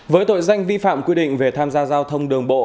với tội danh vi phạm quy định về tham gia giao thông đường bộ